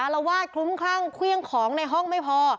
แล้ววาดพลุมข้างคลุ้มของในห้องไม่พอ